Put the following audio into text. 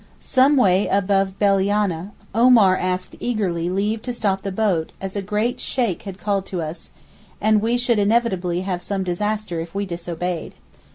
Some way above Bellianeh Omar asked eagerly leave to stop the boat as a great Sheyk had called to us, and we should inevitably have some disaster if we disobeyed.